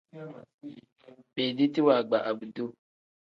Beediti waagba abduu.